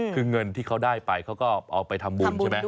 คือเงินที่เขาได้ไปเขาก็เอาไปทำบุญใช่ไหม